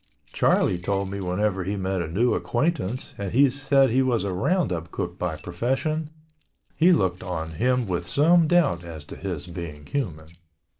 Charlie told me whenever he met a new acquaintance and he said he was a roundup cook by profession, he looked on him with some doubt as to his being human.